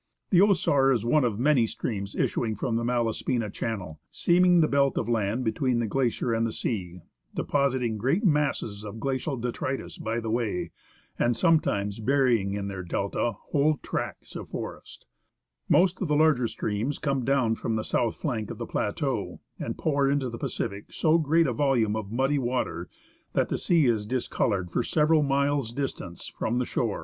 The Osar is one of the many streams issuing from the Mala spina channel, seaming the belt of land between the glacier and the sea, depositing great masses of glacial detritus by the way, and sometimes burying in their delta whole tracts of forest. Most of the larger streams come down from the south flank of the plateau, and pour into the Pacific so great a volume of muddy water that the sea is discoloured for several miles' distance from the shore, 71 THE OSAR STREAM. THE ASCENT OF MOUNT ST.